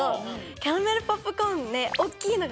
キャラメルポップコーンで。